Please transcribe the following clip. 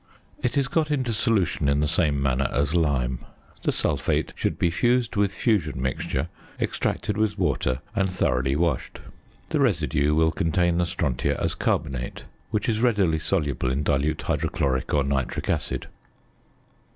It is got into solution in the same manner as lime. The sulphate should be fused with "fusion mixture," extracted with water, and thoroughly washed. The residue will contain the strontia as carbonate, which is readily soluble in dilute hydrochloric or nitric acid.